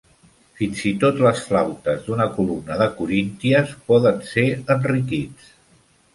Fins i tot les flautes d'una columna de corínties poden ser enriquits.